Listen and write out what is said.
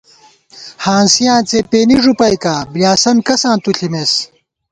ہانسِیاں څېپېنی ݫُپَئیکا ، بلیاسن کساں تُو ݪِمېس